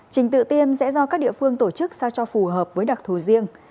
trình tự tiêm sẽ do các địa phương tổ chức sao cho phù hợp với đặc thù riêng